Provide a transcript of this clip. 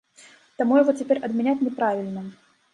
Таму яго цяпер адмяняць няправільна.